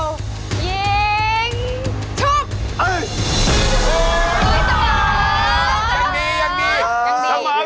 ลุ้นนะ